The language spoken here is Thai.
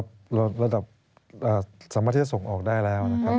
ครับระดับสามารถที่จะส่งออกได้แล้ว